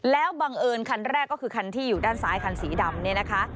แล้วบังเอิญคันแรกก็คือคันที่อยู่ด้านซ้ายคันสีดำเนี่ยนะคะ